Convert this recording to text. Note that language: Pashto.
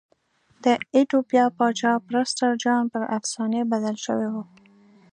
د ایتوپیا پاچا پرسټر جان پر افسانې بدل شوی و.